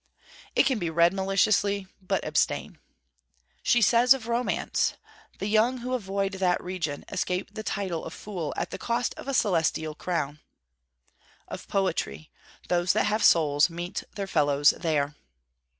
It can be read maliciously, but abstain. She says of Romance: 'The young who avoid that region escape the title of Fool at the cost of a celestial crown.' Of Poetry: 'Those that have souls meet their fellows there.'